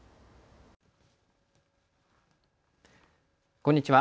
こんにちは。